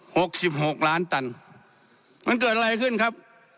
หกสิบหกล้านตันมันเกิดอะไรขึ้นครับ